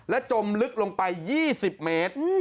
จมลึกลงไป๒๐เมตร